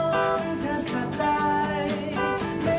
รับทีไม่ยังสักหน่า